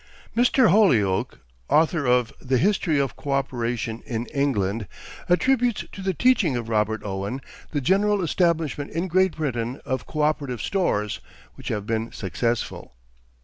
Mr. Holyoake, author of "The History of Cooperation in England," attributes to the teaching of Robert Owen the general establishment in Great Britain of coöperative stores, which have been successful.